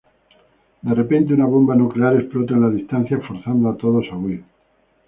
De repente, una bomba nuclear explota en la distancia, forzando a todos a huir.